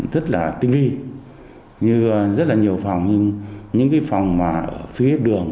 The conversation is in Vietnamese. rất là tinh vi như rất là nhiều phòng nhưng những cái phòng mà ở phía đường